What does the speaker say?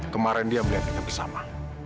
kemarin dia melihat kita bersama